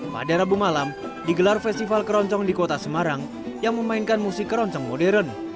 pada rabu malam digelar festival keroncong di kota semarang yang memainkan musik keroncong modern